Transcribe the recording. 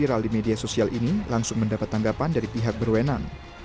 pemalakan yang terjadi di media sosial ini langsung mendapat tanggapan dari pihak berwenang